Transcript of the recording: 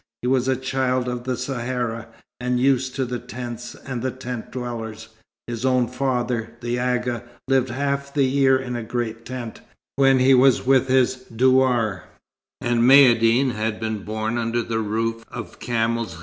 He was a child of the Sahara, and used to the tents and the tent dwellers. His own father, the Agha, lived half the year in a great tent, when he was with his douar, and Maïeddine had been born under the roof of camel's hair.